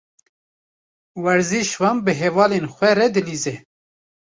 Werzişvan bi hevalên xwe re dilîze.